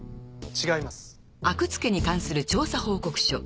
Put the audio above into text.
違います。